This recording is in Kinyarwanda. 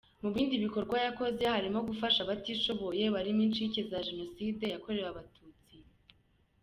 Mu bindi bikorwa yakoze harimo gufasha abatishoboye barimo incike za Jenoside yakorewe Abatutsi.